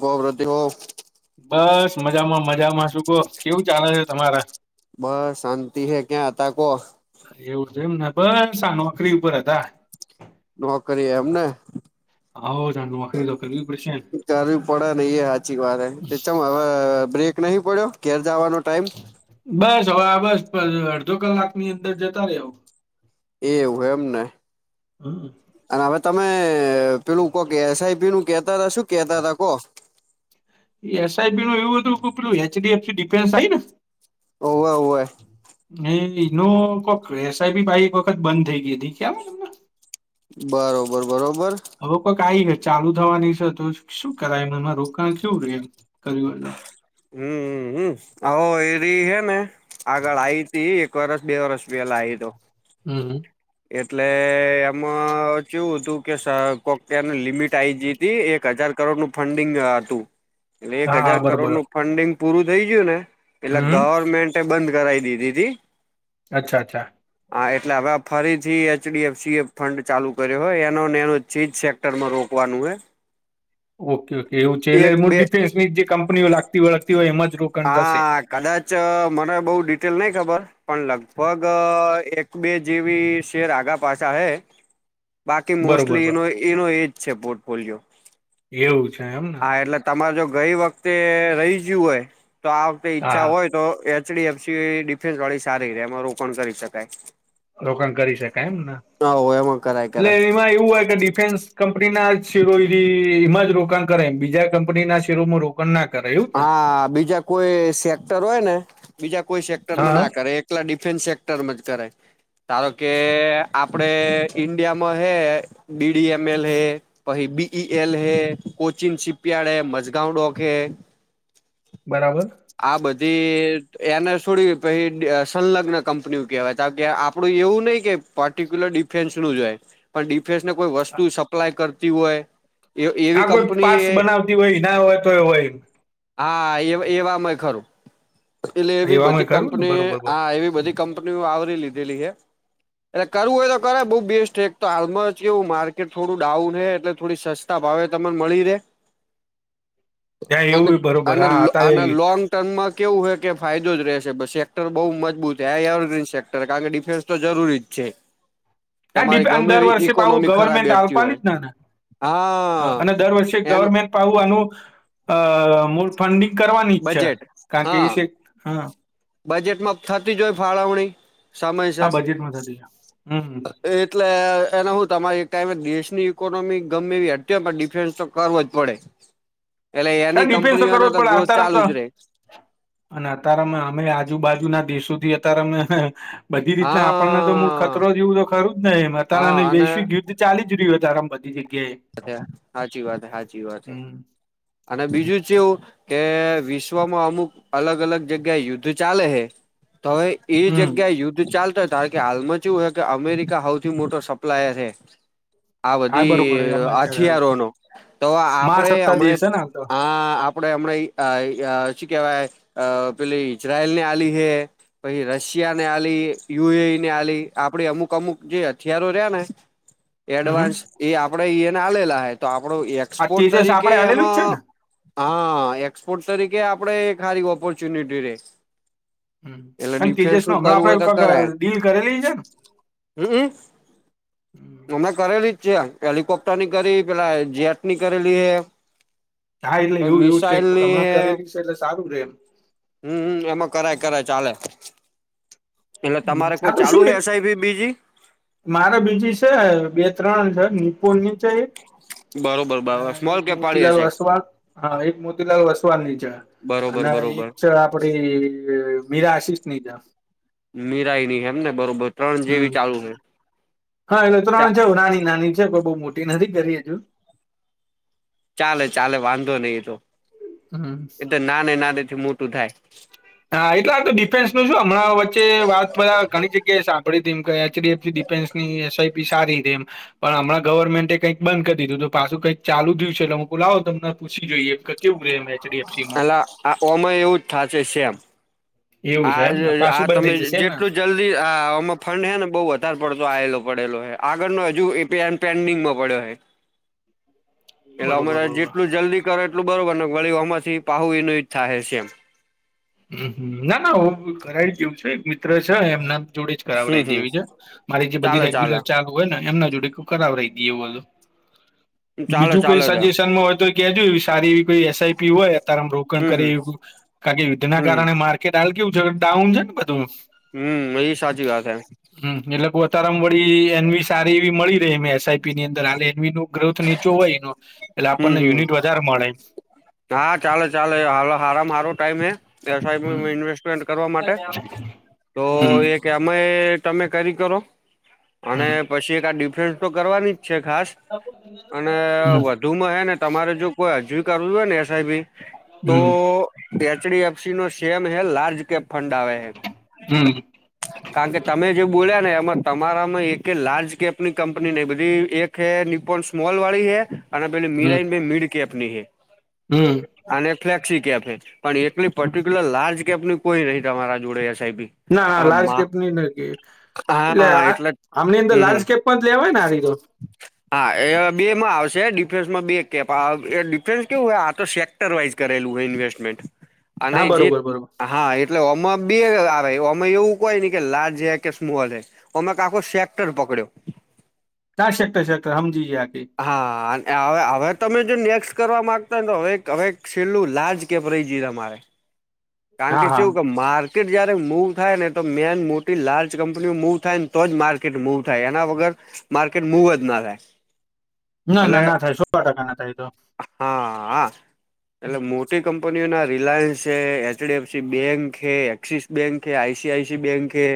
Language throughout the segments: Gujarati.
કોપ પ્રતિઓફ બસ મજામાં મજામાં શું કહ કેવું ચાલે છે તમારે બસ શાંતિ હે ક્યાં હતા કોહ એવું તો એમને બસ આ નોકરી ઉપર હતા હતા. નોકરી એમને આવો જ આ નોકરી તો કરવી પડશે ને કરવી પડે નહી એ સાચી વાત ચ હ બ્રેક નહી પડ્યો કેર જવાનો ટાઈમ. બસ હવે બસ અડધો કલાકની અંદર જતા રહેવુ. એવું એમ ને હમ. અને હવે તમે પેલું કો કેસઈ પી નું કેતા હતા શું કેતા હતા કો. એસઆઈબી નું એવું હતું કે પેલું એચડીએફ ડિફેન્સ આય ને હોવે હોવે. એ એ ન કો રેસઈ બી ભાઈ એક વખત બંધ થઈ ગય હતી કેમ. બરોબર બરોબર. હવે કકઈ ચાલુ થવાની છે તો શું કરાયમ એમાં રોકાણ થયું રે એમ કર્યું એ. હમ હમ હો એરી હે ને આગળ આઈતી એક વરષ બે વર્ષ ભી એલા આઈતો. હમ હમ. એટલે એમાં કેવું હતું કે કોકને લિમિટ આઈ જી એક હજાર કરોડ નું ફંડિંગ હતું એટલે એક હા હજાર કરોડ બરોબર નું ફંડિંગ પૂરું થઈ ગયું ને એટલે હમ ગવર્મેન્ટ બંધ કરાવી દીધી હતીી અચ્છા અચ્છા હા એટલે હવે. ફરી થી એચડી એફ સી એ ફંડ ચાલુ કર્યો હોય એનો એનો ચીજ સેક્ટરમાં રોકવાનું હે. [inaudible] ઓકે ઓકે એવું છે એટલે એક મું બે ડિફેન્સની જ જે કંપનીઓ લાગતી વળગતી હોય એમાં જ રોકાણ થશે હા કદાચ મને બઉ ડિટેલ નઈ ખબર. પણ લગભગ એક બે જેવી શેર આગા પાછા હૈ. બાકી બરોબર મોસ્ટલી બર એનો એનો એજ છે પોર્ટફોલિયો એવું છે એમ હા એટલે તમારે જો ગઈ વખતે રહી ગયું હોય તો આ વખતે ઈચ્છા હા હોય તો એચડી એફસી ડિફેન્સ વાળી સારી રે એમાં રોકાણ કરી શકાય રોકાણ કરી શકાય એમને હવ એમાં કરાય એટલે કરાય એમાં એવું હોય કે ડિફેન્સ કંપનીના શેરો એમાં જ રોકાણ કરાયમ બીજા કંપની ના શેરોમાં ના કરે એવું જ ને હા બીજા કોઈ સેક્ટર હોય ને બીજા કોઈ સેક્ટર માં હા ના હા કરે એટલા ડિફેન્સ સેક્ટરમાં જ કરાય ધારો કે આપડે ઈન્ડિયામાં હે ડીડી એમ એલ હે પહી બીઈ એલ હૈ કોચિન શિપ ાર્ડ હૈ મજગાંવ ડોક હૈ બરાબર આ બધી એને થોડી પછી સંલગ્ન કંપની કેહેવાય ત કે આપડું એવું નહીિ કે પારિક્યુલર ડિફેન્સ નું જાય પણ ડિફેન્સ ને કોઈ વસ્તુ સપ્લાય કરતી હોય એ એવી આા કોઈ કંપની પાર્ટસ એ બનાવતી હોય ના હોય તો હોય હા એ એવામાંય ખરું એટલે એવી એવામાં બધી ખરું ને કંપની બરોબર બર હા એવી બધી કંપનીઓ આવરી લીધેલી હ એટલે કરવું હોય તો કરે બઉુ બેસ્ટ એક તો આલમોસ્ટ કેવું માર્કેટ થોડું ડાઉન હે એટલે થોડી સસ્ ભાવે તને મળી રે ત્યાં એવું ય બરોબર હા અત્યારે એવી લોંગ ટર્મમાં કેવું હોય કે ફાયદો જ રહેશે સેક્ટર બહુ મજબૂત હ આ એવરગ્રીન સેક્ટર કારણ કે ડિફેન્સ તો જરૂરી જ છે તમારી પેન્ ગમે દર એવી વર્ષે પણ આવું ઈકોનોમી ખરાબ ગવર્મેન્ટ બેઠતી હોય આપવાની જ નાને હ હા અને દર વર્ષે એનું ગવર્મેન્ટ આનું અ મૂળ ફંડિંગ કરવાની ઈચ્ છે બજેટ કારણ કે એ હા છે હ બજેટમાં થતી જ હોય ફાળવણી હા સમયસર બજેટમાં થતી છે હમ એટલે એને હું તમારે એક ટાઈમે દેશની ઇકોનોમી ગમે એવી હતી પણ ડિફેન્સ તો કરવો જ પડે એટલે આ એની ડિફેન્સ કંપનીઓને કરવો જ તો પડે ગ્રોથ અતારમ ચાલુ તો જ રે અને અત્યારે અમે અમે આજુબાજુના દેશોથી અત્યારે અમે બધી રીતના આપણને તો મળ હા ખતરો જેવું તો ખરું જ ને એમ અ તારે અને વૈશ્વિક ગીુધ ચાલી જ રહ્યું છે તારે આમ બધી જગ્યાએ સાચી વાત સાચી વાત હ હમ અને બીજું જેવું કે વિશ્વમાં અમુક અલગ અલગ જગ્યા યુદ્ધ ચાલે છે તો હવે એ હમ જગ્યાએ યુદ્ધ ચાલતો કારણ કે હાલમાં કેવું હોય કે અમેરિકા સૌથી મોટો સપ્લાયર છે આ હા બધી બરોબર અમે હથિયારો નો તો આપણેે મહાસત્તા હમને દેશ છે ને હાલ તો આ આપડે હમણાં શી કેવાય પેલી ઈઝરાયલ ને આલી હ પછી રશિયા ને આલી યુ એ ને આલી આપડી અમુક અમુક જે હથિયારો રહ્યા ને હમ એડવાન્સ એ આપડે એને લેલા હ તો આપડું આ એક્સપોર્ટ તેજસ તરીકે આપડે હાલેલું જ છે એમાં ને હા એક્સપોર્ટ તરીકે આપડે ખારી ઓપોર્ચ્યુનિટી રે હમ એટલે અને ડિફેન્સ તેજસ નો નું હમણાં કરવું હોય આપડે તો કોક કરાય ડીલ કરેલી છે ને હમમ અમે કરેલી જ છે હેલિકોપ્ટર ની કરી પેલા જેટ ની કરેલી હ હા એટલે એવું એવું જ ક હમણા કરેલી છે એટલે સારું રે એમ હમ એમાં કરાય કરાય ચાલે એટલે હમ. તમારે હા કોઈ તો ચાલુ શું હ એક એસઈ બી બીજી મારે બીજી છે બે ત્રણ છે નીપુ નીચે બરોબર બરોબર એક સ્મોલ કેપ વાળી મોતીલાલ હશે વસવા હા એક મોતીલાલ વસવા નીચે બરોબર અને એક બરોબર છે આપડી મીરા આશિષ ની જે મીરાઈની એમ ને બરોબર ત્રણ હમ જેવી ચાલુ રે હા એટલે ત્રણ છે નાની નાની છે કોઈ બઉ મોટી નથી કરી હજુ ચાલે ચાલે વાંધો નહીિ એ તો હમ્મ. એ તો નાને નાનેથી મોટું થાય. હા એટલે તો ડિફેન્સનું શું હમણાં વચ્ચે વાત બધા ઘણી જગ્યાએ સાંભળી હતી H. D. F. C. Defence ઈ એસ. આઈ. પી. સારી એમ. પણ હણા ગવર્મેન્ટે કંઈક બંધ કરી દીધું તો પાછું કંઈક ચાલુ થયું છે એટલે હુ કવ લાવો તમને પૂછી જોઈએ [unintelligible] એલા આ ઓમાં એવું જ થશે શેમ એવું આ છે એમ ને આ પાછું બંધ તમે થઈ જશે એમ ને જેટલું જલ્ દી આ માં ફંડ હે ને બહુ વધારે પડતો આવેલો પડેલો હે આગળનો હજુ એ પેન્ડિંગમાં પડ્યો હ એટલે બરોબર અમારે બરોબર જેટલું જલ્દી કરો એટલું બરોબર ને વળી આમાંથી પાહુ એનું એ થાહે એમ ના ના હુ ઘરાય ગિયું છે એટલે મિત્ર છે એમના જોડે જ કરાવ હમ રહી દે હમ એવી છે મારી જે બધી ચાલે ચાલે રેગ્યુલર ચાલ હોય ને એમના જોડે કરાવ દઈએ બધું ચાલે બીજું કોઈ ચાલે તો સજેશનમાં હોય તો કે જો એવી કોઈ સારી એવી કોઈ એસઆઈપી હોય અતારે મા રોકાણ હમ હમ કરી કારણ યુદ્ધના હમ કારણે માર્કેટ હાલ કેવું છે ડાઉન છે ને બધું હમ્મ એય સાચી વાત હૈ. હમ્મ એટલે કોતારમ વળી એનવી સારી એવી મળીરે એસ. આઈ. પી. ની અંદર હાલે એનવી નું ગ્રોથ નીચો હોય એનો એટલે હમ આપણને હમ યુનિટ વધારે મળે. હા ચાલો ચાલો હાલ હરા હારો ટાઈમે હે એસ. આઈ. પી. હમ માં ઈન્વેસ્ટ ઈન્વેસ્ટ કરવા માટે તો હમ એક કે અમે તમે કરી કરો અને હમ પછી એક આ ડિફેન્સ તો કરવાની જ છે ખાસ. અને હમ વધુમાં હેને તમારે જો કોઈ હજી એ કરવું હોય ને એસ. આઈ. પી. તો એચ. ડી. એફ. સી. નો સેમ હે લાર્જ કેપ ફંડ આવે છે. હમ કારણ કે તમે જે બોલ્યા ને એમાં તમારામાં એકે લાર્જ કેપની કંપની નઇ બધી એક કે નીપો સ્મોલ વાળી હે અને પેલી મિરાઈન મિડ કેપ ની હે. હમ્મ. અને ફ્લેક્સી કેપ હે પણ એકટલી પર્ટિક્યુલર લાર્જ કેપની કોઈ નહી તમારા જોડે એસ. આઈ. પી. ના લાર્જ કેપની નથી એટલે હા આ એટલે આમની અંદર હમ હમ લાલજ કેપમાં જ લેવાય ને આરી તો. હા એ બે માં આવશે ડિફેન્સ માં બે કેપ આ એ આવે. તે કેવું હોય આ તો સેક્ટરવાઈઝ કરેલું હોય ઇન્વેસ્ટમેન્ટ અને હા જે બરોબર બરોબર હા એટલે ઓમાં બે આવે ઓમાં એવું કોય ને કે લાર્જ હે કે સ્મોલ હે. ઓમે આખો શેકટર પકડ્યો. તા સેક્ટર સેક્ટર હમજીએ આતી હા અને હવે તમે જો નેક્સ્ કરવા માંગતા હોને તો હવે હવે છેલ્લું લાર્જ કેપ રઈ ગઈ અમારે. કારણ હા કે હા ચેવું છે માર ર્કેટ જ્યારે મૂવ થાય ને, તો મેન મોટી લાર્જ કંપનીઓ મૂવ થાય ને તો જ માર્કેટ મૂવ થાય, એના વગર માર્કેટ મુવ જ ના થાય. ના એટલે ના ના થાય સોવા ટકા ના થાયએ તો. હા હા એટલે મોટી કંપનીઓના રિલાયન્સ છે H. D. F. C. Bank હે એક્સિસ બેંક હે I. C. I. C. Bank હે.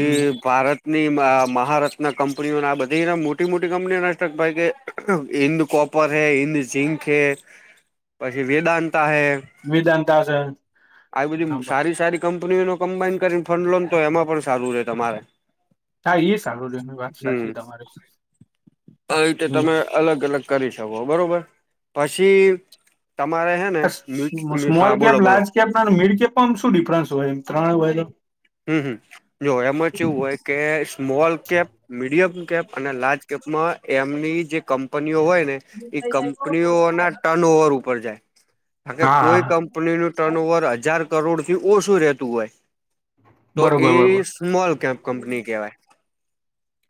હમ ભારત ની મહારથના કંપનીઓના આ બધી મોટી મોટી કંપનીઓના સ્ટક ભાઈ કે હિન્દ કોપર હે, હિન્દ ઝિંક હે, પછી વેદાંતા હે. વેદાંતા શે. આવી બધી સારી સારી કંપનીઓનું કમ્બાાઈન કરીને ફંડ લોન તો એમાં પણ સારું રહે તમારે. હા, એ સારું રહ્યું વાત હમ્મ, સાચી તમારી આવી રીતે હમ તમે અલગ અલગ કરી શકો બરોબર, પછી તમારે હેને [unintelligible] સ્મોલ લાર્જ કેમ્પ વાળુ મીડકે શું ડિફરન્સ હોય એમ ત્રણ હોય તો. હમ હમ જો એમાં ચેવું હોય કે સ્મોલ કેપ મીડિયમ કેમ્પ, અને લાર્જ કેમ્પ માં એમની જે કંપનીઓ હોય ને એ કંપનીઓ ના ટર્ન ઓવર ઉપર જાય, કારણ કે હા કોઈ હા કં કંપનીનું ટર્નઓવર હજાર કરોડથી ઓછું રહેતું હોય. તો એ બરોબર બરોબર સ્મોલ કેપ કંપની કહેવાય.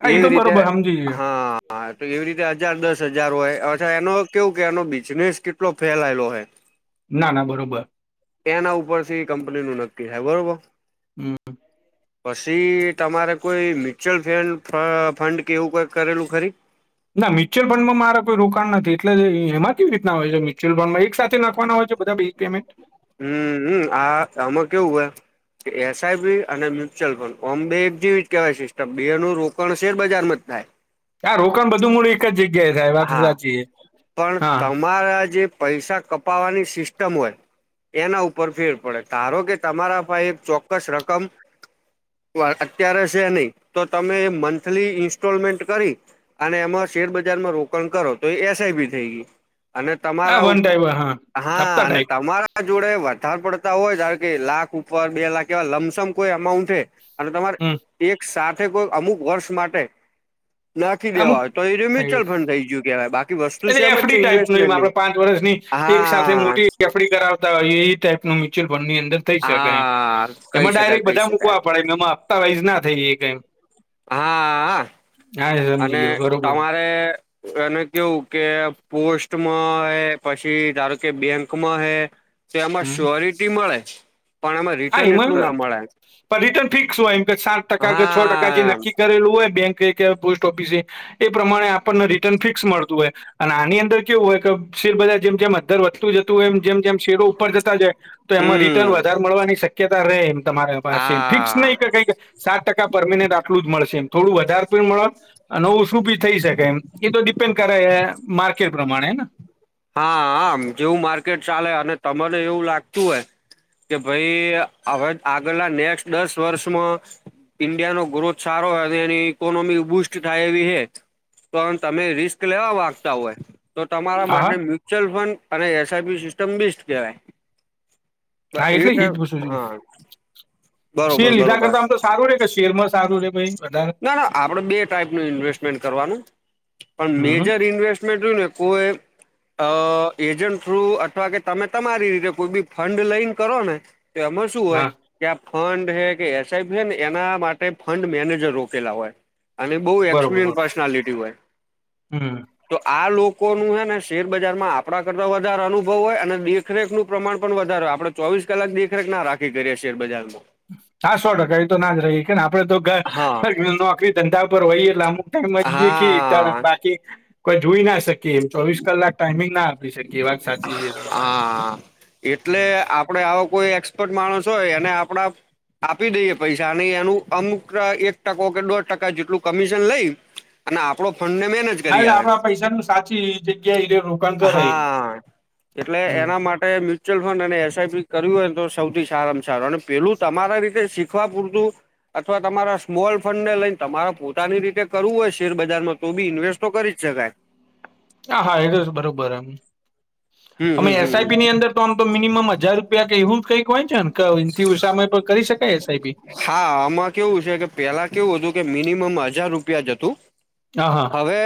હા એ એવી તો રીતે, બરોબર સમજી ગયો હા. હા તો એવી રીતે હજાર દસ હજાર હોય, અરછા એનો કેવું કે એનો બિઝનેસ કેટલો ફેલાયલો હોય. [inaudible] ના ના બરોબર. એના ઉપરથી કંપની નું નક્કી થાય બરોબર. હમ્મ. પછી તમારે કોઈ મ્યુચ્યુઅલ ફેન ફ ફંડ કે એવુ કંઈક કરેલું ખરી? ના મ્યુચ્યુઅલ ફંડમાં મારા કોઈ રોકાણ નથી, એટલે એમાં કેવી રીતના હોય છે મી ચલ ફન મા એક સાથે નાખવાના હોય છે બધા બિગ પેમેન્ટ? હમ્મ હમ્મ આ આમાં કેવું હોય એ એસ આઈ પી અને મ્યુચ્યુઅલ ફંડ ઓમ બે એક જેવી જ કહેવાય સિસ્ટમ, બે નું રોકાણ શેર બજાર માં જ થાય. આ રોકાણ બધું મૂડ એકજ જગ્યાએ થાય, વાત હે સાચી, હા. મહારા જે પૈસા કપાવાની સિસ્ટમ હોય. એના ઉપર ફેર પડે, ધારો કે તમારા પાહે એક ચોક્કસ રકમ વા અત્યારે શે નહી, તો તમે મંથલી ઈન્સ્ટોલમેન્ટ કરી અને એમાં શેર બજારમાં રોકાણ કરો તો એ એસ આઈ બી થઈ ગઈ. અને હા તમારા વન ઉપ, ટાઈપ હા હા હપ્તા અને ટાઈપ તમારા જોડે વધાર પડતા હોય, ધારો કે લાખ ઉપર બે લાખ એવા લમસમ કોઈ અમાઉન્ટ હે અને તમારે હમ એક સાથે કોઈ અમુક વર્ષ માટે નાખી અમુક દેવાય તો એરૂ મ્યુચઅલ ફંડ થઈ ગયું કેવાય બા એટલે આ ફ્રી ટાઈપ નુ એમ આપડે પાંચ વર્ષની એક સાથે હા મોટી એફ ડી કરાવ તા એ ટાઈપ નુ મ્યુચ્યુઅલ ફંડ ની અંદર થઈ શકેાય એમ, હા કહી એમાં શકાય ડાયરેક્ટ કહી બધા શકાય મૂકવા પડે નમા તાવાઈઝ ના થઈએ કેમ. હા એ સમજી અને ગયો બરોબર તમારે અને કેવું કે, પોસ્ટમાં હે પછી ધારો કે બેંકમાં હે. એમાં હમ શ્યોરિટી મળે, પણ એમાં રિટર્ન એટલું ના મળે. પણ રિટર્ન ફિક્સ હોય, એમ કે સાત ટકા કે છ ટકા જે હા નક્કી કરેલું હોય બેંકે કે પોસ્ટ ઓફિસએ પ્રમાણે આપણને રિટર્ન ફિક્સ મળતું હોય અને આની અંદર કેવું હોય કે, શેરબજાર જેમ જેમ અધર વધતું જતું હોય, એમ જેમ જેમ શેડો ઉપર જતા જાય તો એમાં રિટર્ન હમ વધારે મળવાની શક્યતા રહે એમ. તમારા પાસે ફિક્સ હા નહી કે કઈ સાત ટકા પરમિનેન્ટ આટલું જ મળશે. થોડું વધારે પણ મળે નવછું ભી થઈ શકે એમ એ તો ડિપેન્ડ કરે માર્કેટ. પ્રમાણે ને હા આમ જેવું માર્કેટ ચાલે, અને તમને એવું લાગતું હોય કે ભાઈ હવે આગલા નેક્સ્ટ દસ વર્ષમાં ઈન્ડિયાનો ગ્રોથ સારો, અને એની ઇકોનોમી બુસ્ટ થાય એવી હે. પણ તમે રિસ્ક લેવા માગતા હોય. તો તમારા હા હા માટે મ્યુચ્યુઅલ ફંડ અને S I P system best કહેવાય. બ હા એ એટલે ત જ પૂછું છું હા. શેર બરોબર લીધા બરોબર કરતા આમ તો સારું રે કે શેરમાં સારું રે ભાઈ વધારે ના ના આપડે બે ટાઈપ ન ઇન્વેસ્ટ. કરવાનું પણ હમ મેજર ઇન્વેસ્ટમેન્ટ જોય ને કોઈ. અ એજન્ટ થ્રુ અથવા કે તમે તમારી રીતે કોઈ બી ફંડ લઈને કરો ને. તો એમાં શું હા હોય. કે્યા ફંડ હે કે એસઆઈપી હ ને એના માટે ફંડ મેનેજર રોકેલા હોય. અને બહ બરોબર બરોબર એક્સપિરિયન્સ પર્સનાલિટી હોય. હમ તો આ લોકો નું હેને શેર બજારમાં આપણા કરતા વધારે અનુભવ હોય અને દેખરેખનું પ્રમાણ પણ વધારે હોય. આપડ ચોવીસ કલાક દેખરેખ ના રાખી કરી શેર બજારમાં. હા સો ટકા એ તો ના જ રહીએ કે ને આપડે તો હા નોકરી, ધંધા પર હોય. એટંમુ ખી ત હા બાકી કોઈ જોઈ ના શકીએ એમ ચોવીસ કલાક ટાઈમિંગ ના આપી શકે. એ વાત સાચી છે તમારી. આપણે આવો કોઈ એક્સપર્ટ માણસ હોય એને આપણા. આપી દઈએ પૈસા અને એનું અમુક એક ટકો કે દોઢ ટકા જેટલું કમિશન લઈ. અને આપડો ફંડ ને મેનેજ હા કરી એટલે હાલે. આપડા પૈસા નું સાચી જગ્યા એ. હા, એટલે એના માટે મ ્યલ ફંડ એસઆઈપી કર્યું હોય તો સૌથી સારામાં સારું અને પેલું તમારા રીતે શીખવા પૂરતું. અથવા તમારા સ્મોલ ફંડ ને લઈને તમારે પોતાની રીતે કરવું હોય શેર બજારમાં તો બી ઇન્વેસ્ટ તો કરી્ છેકાય. હા હા એ બરોબર એમ, હમ અમે હમ એસ આઈ પીની હમ અંદર તો મિનિમમ હજાર રૂપિયા ક એું જ કઈક હોય છે ને કેથી સામે કરી શકાય એસ ઈ બી? હા આમાં કેવું છે કે પેલા કેવું હતું કે મિનિમમ હજાર રૂપિયા જતું. હા હા. હવે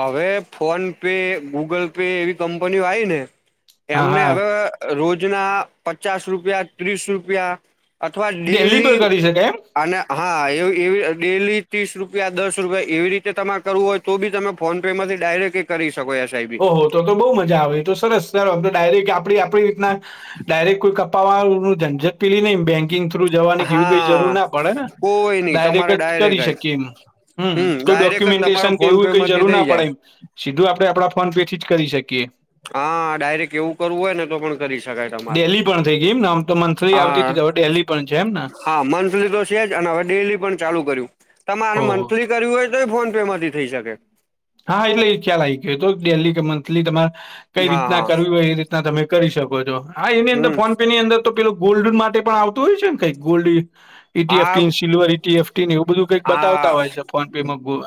હવે ફોન પે ગૂગલ પે એવી કંપનીઓ આવી ને. હા એમને હા હવે રોજના પચાસ રૂપિયા ત્રીસ રૂપિયા. અથવા પર ડેલી કરી શકાય એમ અને હા એ એવી ડેલી ત્રીસ રૂપિયા દસ રૂપિયા એવી રીતે તમારે કરવું હોય. તો બી તમે ફોન પે માંથી ડાયરેક્ટ એ કરી શકો છ ઓહ તો બહુ મજા આવે તો સરસ સર આમ તો ડાયરેક્ટ આપ આપણી રીતના, ડાયરેક્ટ કોઈ પાવાું ઝટ પીલી નહી બેંક ંગ થ્રુ જવાની કેવી કઈ જરૂર હા ના પડે ને, કોઈ નહી તમારે ડાયરેક્ટ જ કરી શકીએ એમ. હમ કોઈ ડાયરેક્ટ જ તમારો ડોક્યુમેન્ટેશન કે ફોન એવીું પે કઈ માંથી જરૂર થઈ ના પડે જાય એમ. સીધું આપડણે આપણા ફોન પે થી જ કરી શકીએ. હા ડાયરેક્ટ એવું કરવું હોય ને તો પણ કરી શકાય તમારે ડેલી પણ થઈ ગઈ એમ આમ તો મંથલી આવતી હા હ ડેલી. પણ છે એમને? હા મંથલી તો છેજ અને હવે ડેલી પણ ચાલુ કર્યું, તમારે ઓહો! મંથલી કર્યું હોય તો ફોન પે માંથી થઈ શકે. હા એટલે એ ખ્યાલ આવી ગયો હતો ડેલી કે મંથલી, તમારે કઈ હા રીતના હા કરવી હોય એ તમે કરી શકો છો, હા એની અંદર હમ ફોન પે ની અંદર તો પેલો ગોલ્ડન માટે પણ આવતું હોય છે ને કઈ ગોલ્ડ. હા ઈટીએફટી સિલ્વર ઇટીએફટી એવું બધું કંઈ બતાવતા હા હોય છે ફોન પેમાં.